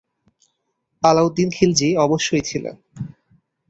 আলাউদ্দিন খিলজি অবশ্যই ছিলেন।